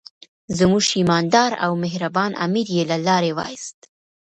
زموږ ایماندار او مهربان امیر یې له لارې وایست.